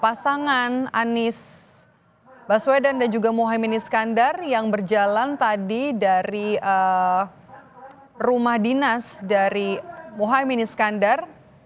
pasangan anies baswedan dan juga mohaimin iskandar yang berjalan tadi dari rumah dinas dari mohaimin iskandar